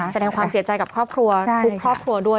แสดงความเสียใจกับครอบครัวทุกครอบครัวด้วย